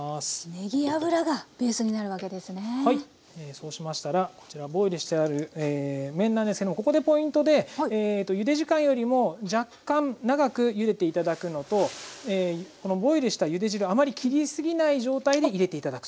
そうしましたらこちらボイルしてある麺なんですけどもここでポイントでゆで時間よりも若干長くゆでて頂くのとこのボイルしたゆで汁あまり切りすぎない状態で入れて頂く。